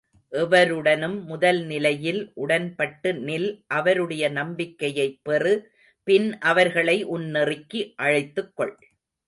எவருடனும் முதல் நிலையில் உடன்பட்டுநில் அவருடைய நம்பிக்கையைப் பெறு பின் அவர்களை உன் நெறிக்கு அழைத்துக் கொள்.